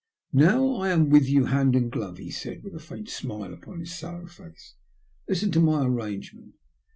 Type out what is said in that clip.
"Now I am with you hand and glove/' he said with a faint smile upon his sallow face. '' Listen to my arrangement.